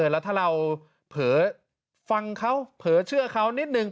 แล้วถ้าเราเผลอฟังเขาเผลอเชื่อเขานิดนึง